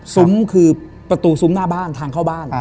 ซุ้มคือประตูซุ้มหน้าบ้านทางเข้าบ้าน